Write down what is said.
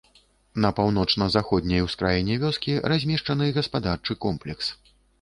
На паўночна-заходняй ускраіне вёскі размешчаны гаспадарчы комплекс.